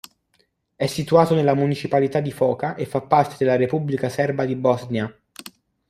È situato nella municipalità di Foča e fa parte della Repubblica serba di Bosnia.